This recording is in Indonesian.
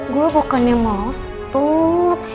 gue kok kan yang melotot